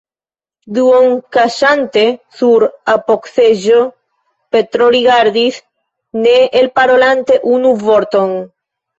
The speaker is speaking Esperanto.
Duonkuŝante sur apogseĝo, Petro rigardis, ne elparolante unu vorton.